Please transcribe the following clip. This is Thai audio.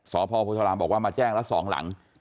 สพลบอกว่ามาแจ้งแล้วสองหลัง